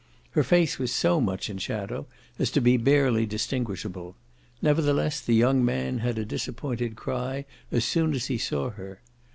Her face was so much in shadow as to be barely distinguishable; nevertheless the young man had a disappointed cry as soon as he saw her.